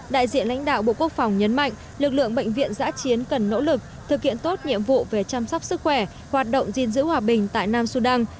đại diện lãnh đạo bộ quốc phòng nhấn mạnh lực lượng bệnh viện giã chiến cần nỗ lực thực hiện tốt nhiệm vụ về chăm sóc sức khỏe hoạt động gìn giữ hòa bình tại nam sudan